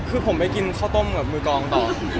คือผมไปกินข้าวต้มกับมือกองต่อ